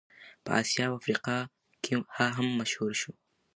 په اسیا او افریقا کې هم مشهور شو.